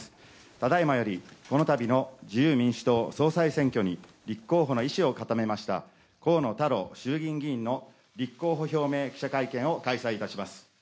ただいまより、このたびの自由民主党総裁選挙に立候補の意思を固めました、河野太郎衆議院議員の立候補表明記者会見を開催いたします。